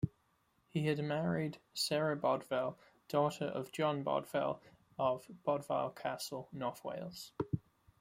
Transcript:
He had married Sarah Bodvel, daughter of John Bodvel of Bodvile Castle, North Wales.